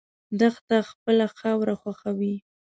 دښته خپله خاوره خوښوي.